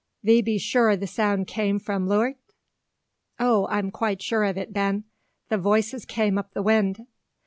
Thee be sure the sound come from leuart?" "O, I am quite sure of it, Ben; the voices came up the wind."